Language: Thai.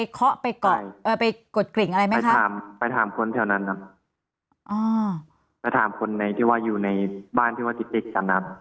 เขาว่าไงบ้างคะ